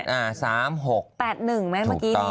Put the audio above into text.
๓๖๘๑แม่เมื่อกี้